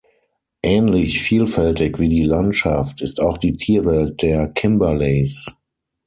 Ähnlich vielfältig wie die Landschaft ist auch die Tierwelt der Kimberleys.